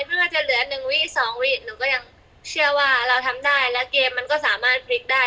เพื่อจะเหลือหนึ่งวีสองวิหนูก็ยังเชื่อว่าเราทำได้แล้วเกมมันก็สามารถพลิกได้